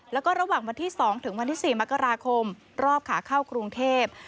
แล้วก็ระหว่างวันที่๒๔มกราคมรอบขาเข้ากรุงเทพฯ